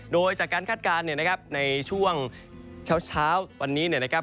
โดยจากการคาดการณ์เนี่ยนะครับในช่วงเช้าวันนี้เนี่ยนะครับ